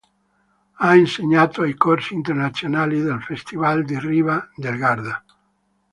Ha insegnato ai corsi internazionali del Festival di Riva del Garda.